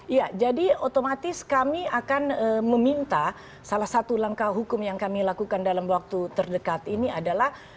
ya jadi otomatis kami akan meminta salah satu langkah hukum yang kami lakukan dalam waktu terdekat ini adalah